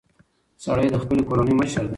سړی د خپلې کورنۍ مشر دی.